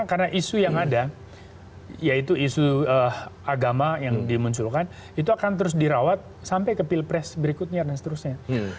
karena isu yang ada yaitu isu agama yang dimunculkan itu akan terus dirawat sampai ke pilpres berikutnya dan seterusnya